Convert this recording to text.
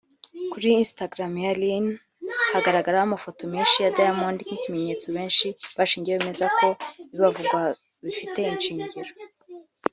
Kuri Instagram ya Lynn hagaragaraho amafoto menshi ya Diamond nk’ikimenyetso benshi bashingiyeho bemeza ko ibibavugwaho bifite ishingiro